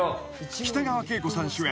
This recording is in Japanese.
［北川景子さん主演。